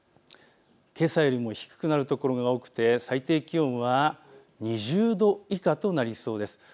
けさよりも低くなる所が多くて最低気温は２０度以下となりそうです。